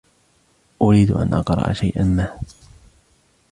أريد أن أقرأ شيئاً ما.